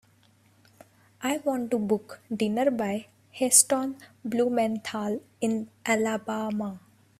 I want to book Dinner by Heston Blumenthal in Alabama.